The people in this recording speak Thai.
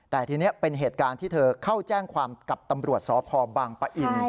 แต่ทีนี้เป็นเหตุการณ์ที่เธอเข้าแจ้งความกับตำรวจสพบางปะอิน